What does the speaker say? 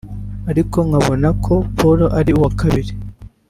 ariko nkabona ko Paul ari uwa kabiri